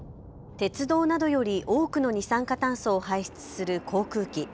鉄道などより多くの二酸化炭素を排出する航空機。